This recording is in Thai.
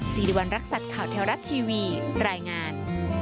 สิริวัณรักษัตริย์ข่าวแท้รัฐทีวีรายงาน